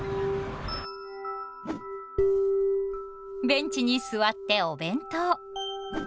ベンチに座ってお弁当。